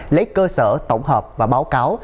lấy cơ sở tổng hợp và báo cáo